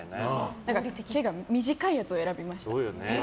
だから毛が短いやつを選びました。